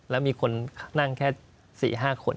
แล้วมีคนนั่งแค่๔๕คน